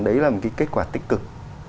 đấy là một cái kết quả tích cực